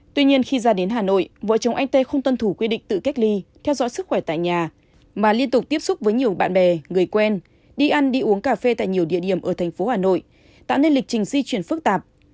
tuy nhiên khi ra đến hà nội vợ chồng anh t không tân thủ quy định tự cách ly theo dõi sức khỏe tại nhà mà liên tục tiếp xúc với nhiều bạn bè người quen đi ăn đi uống cà phê tại nhiều địa điểm ở tp hcm tạo nên lịch trình di chuyển phức tạp